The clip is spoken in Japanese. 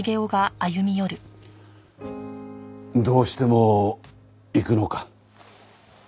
どうしても行くのか？